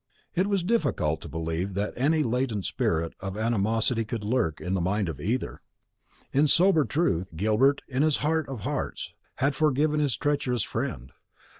It was difficult to believe that any latent spirit of animosity could lurk in the mind of either. In sober truth, Gilbert, in his heart of hearts, had forgiven his treacherous friend.